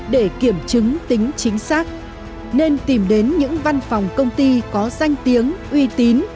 để kiểm chứng tính chính xác nên tìm đến những văn phòng công ty có danh tiếng uy tín